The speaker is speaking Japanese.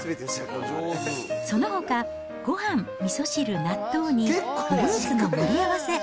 そのほか、ごはん、みそ汁、納豆にフルーツの盛り合わせ。